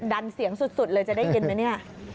ดันเสียงสุดเลยจะได้ยินไหมเนี่ย